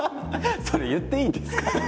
それ言っていいんですか？